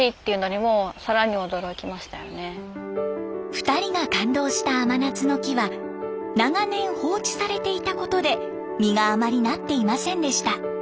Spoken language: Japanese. ２人が感動した甘夏の木は長年放置されていたことで実があまりなっていませんでした。